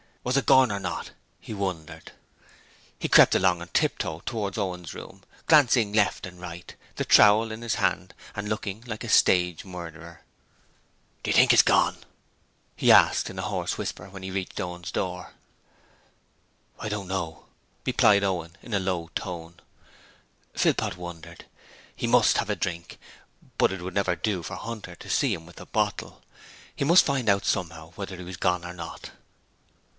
'Was it gorn or not?' he wondered. He crept along on tiptoe towards Owen's room, glancing left and right, the trowel in his hand, and looking like a stage murderer. 'Do you think it's gorn?' he asked in a hoarse whisper when he reached Owen's door. 'I don't know,' replied Owen in a low tone. Philpot wondered. He MUST have a drink, but it would never do for Hunter to see him with the bottle: he must find out somehow whether he was gone or not.